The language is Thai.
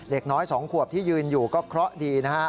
เด็กน้อย๒ขวบที่ยืนอยู่ก็เคราะห์ดีนะฮะ